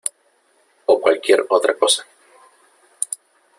o cualquier otra cosa .